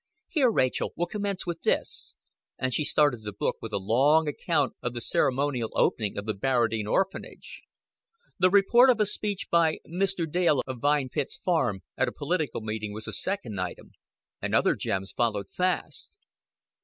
"Here, Rachel, we'll commence with this;" and she started the book with a long account of the ceremonial opening of the Barradine Orphanage. The report of a speech by "Mr. Dale of Vine Pits Farm" at a political meeting was the second item, and other gems followed fast.